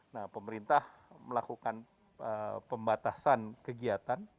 nah pemerintah melakukan pembatasan kegiatan